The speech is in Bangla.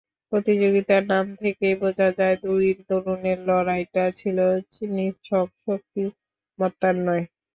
প্রতিযোগিতার নাম থেকেই বোঝা যায় দুই তরুণের লড়াইটা ছিল নিছক শক্তিমত্তার নয়।